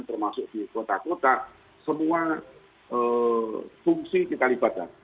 termasuk di kota kota semua fungsi kita libatkan